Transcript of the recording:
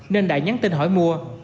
nên đã nhắn tin hòa